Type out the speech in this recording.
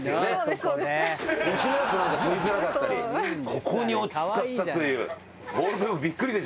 ここに落ち着かせたという。